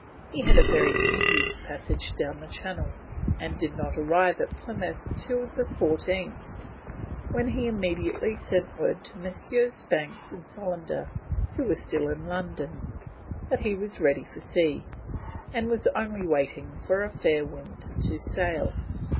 He had a very tedious passage down the Channel, and did not arrive a Plymouth till the 14th, when he immediately sent word to Messrs. Banks and Solander, who were still in London, that he was ready for sea, and was only waiting for a fair wind to sail.